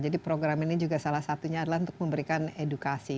jadi program ini juga salah satunya adalah untuk memberikan edukasi